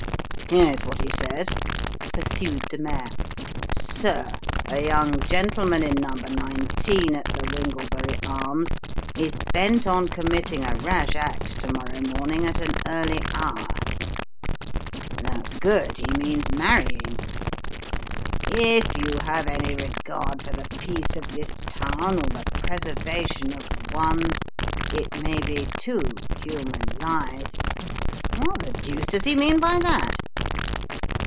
" Here's what he says," pursued the mayor ;"' Sir, A young gentleman in number nineteen at the Winglebury Arms, is bent on committing a rash act to morrow morning at an early hour.' (That's good he means marrying.) 'If you have any regard for the peace of this town, or the preservation of one it may be two human lives.' What the deuce does he mean by that